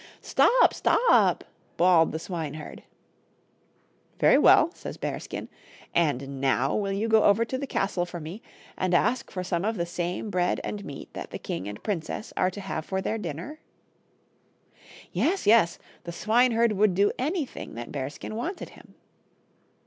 " Stop, stop !" bawled the swineherd. " Very well," says Bearskin ;" and now will you go over to the castle for me, and ask for some of the same bread and meat that the king and princess are to have for their dinner^" BEARSKIN. II Yes, yes : the swineherd would do anything that Bearskin wanted him.